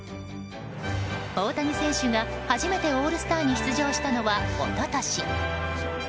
大谷選手が初めてオールスターに出場したのは一昨年。